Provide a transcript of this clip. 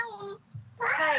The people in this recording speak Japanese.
はい。